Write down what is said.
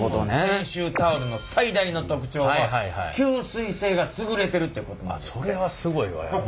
泉州タオルの最大の特徴は吸水性が優れてるってことなんですって。